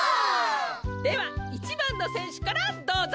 では１ばんのせんしゅからどうぞ！